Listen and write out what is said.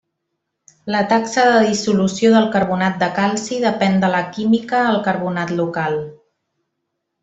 La taxa de dissolució del carbonat de calci depèn de la química el carbonat local.